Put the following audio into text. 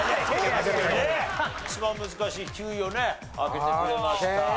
一番難しい９位をね開けてくれました。